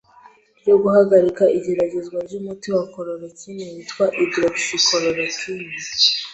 ryo guhagarika igeregezwa ry’umuti wa korolokine witwa ‘hydroxychloroquine’